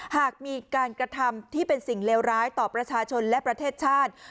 หากมีการกระทำที่เป็นสิ่งเลวร้ายต่อประชาชนและประเทศชาติ